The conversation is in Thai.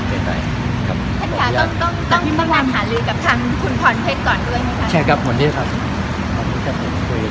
แทนเดียต้องต้องนับหาเลียกับทางคุณผ่อนเพชรก่อนด้วยไหม